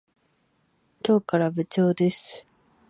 今日から部長です。